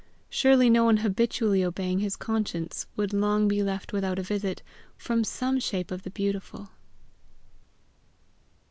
Surely no one habitually obeying his conscience would long be left without a visit from some shape of the beautiful!